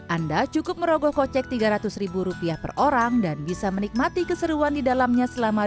anda cukup merogoh kocek tiga ratus rupiah per orang dan bisa menikmati keseruan di dalamnya selama